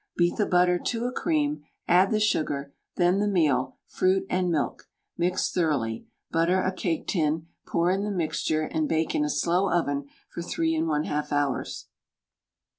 Beat the butter to a cream, add the sugar, then the meal, fruit, and milk, mix thoroughly; butter a cake tin, pour in the mixture, and bake in a slow oven for 3 1/2 hours.